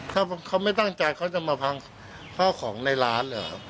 ถ้าเขาไม่ตั้งใจเขาจะมาพังข้าวของในร้านเหรอ